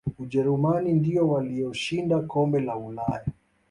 ujerumani ndiyo waliyoshinda kombe la ulaya